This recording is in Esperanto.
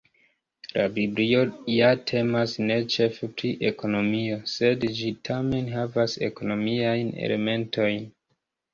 La biblio ja temas ne ĉefe pri ekonomio, sed ĝi tamen havas ekonomiajn elementojn.